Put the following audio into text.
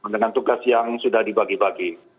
dengan tugas yang sudah dibagi bagi